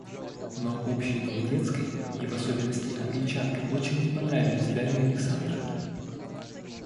Но общий дух детской и в особенности Англичанка очень не понравились Дарье Александровне.